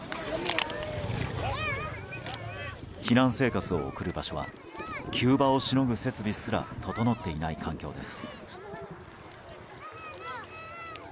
避難生活を送る場所は急場をしのぐ設備すら整っていない環境です。